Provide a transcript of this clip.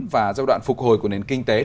và giai đoạn phục hồi của nền kinh tế